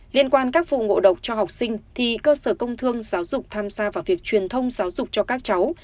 liên quan các vụ ngộ độc cho học sinh thì cơ sở công thương giáo dục tham gia vào việc truyền thông giáo dục cho các cháu